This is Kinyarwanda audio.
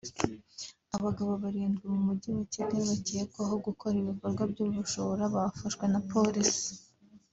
Abagabo barindwi mu mugi wa Kigali bakekwaho gukora ibikorwa by’ubujura bafashwe na Polisi